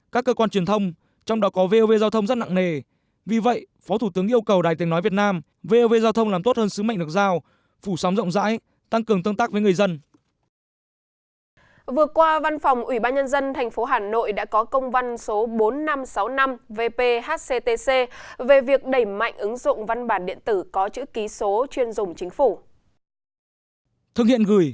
các cơ quan đơn vị thực hiện chuyển đổi sử dụng chữ ký số chuyên dùng chính phủ